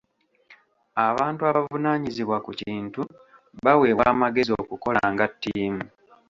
Abantu abavunaanyizibwa ku kintu baweebwa amagezi okukola nga ttiimu.